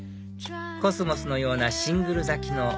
コスモスのようなシングル咲きの紅小町